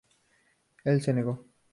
Él se negó.